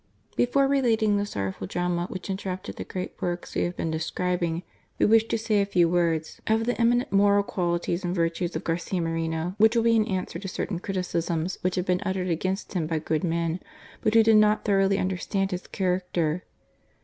Before relating the sorrowful drama which inter rupted the great w^orks we have been describing, we wish to say a few words of the eminent moral qualities and virtues of Garcia Moreno, which will be an answer to certain criticisms which have been uttered against him by good men, but who did not thoroughly understand his character.